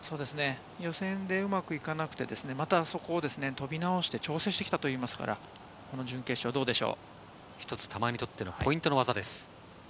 予選でうまくいかず、そこを飛び直して挑戦してきたといいますから、この準決勝どうで玉井にとって一つ、ポイントの技です。